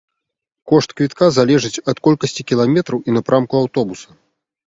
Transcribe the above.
Кошт квітка залежыць ад колькасці кіламетраў і напрамку аўтобуса.